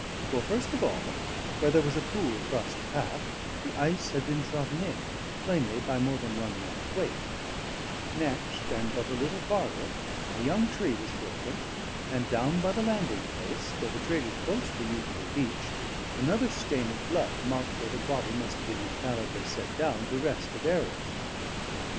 For, first of all, where was a pool across the path, the ice had been trodden in, plainly by more than one man's weight; next, and but a little farther, a young tree was broken, and down by the landing place, where the traders' boats were usually beached, another stain of blood marked where the body must have been infallibly set down to rest the bearers.